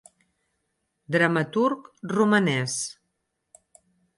Dramaturg romanès.